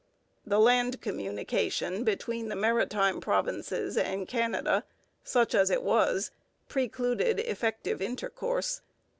The land communication between the Maritime Provinces and Canada, such as it was, precluded effective intercourse.